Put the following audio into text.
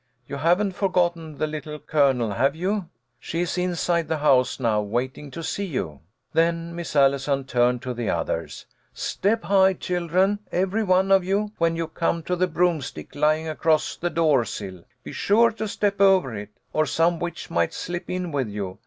You haven't forgotten the Little Colonel, have you ? She is inside the house now, waiting to see you." Then Miss Allison turned to the others. " Step high, children, every one of you, when you come to this broomstick lying across the door sill. Be sure to step over it, or some witch might slip in with you.